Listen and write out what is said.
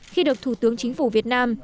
khi được thủ tướng chính phủ việt nam